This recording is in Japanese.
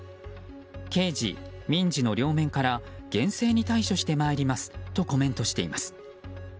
刑事・民事の両面から厳正に対処してまいりますとコメントしています。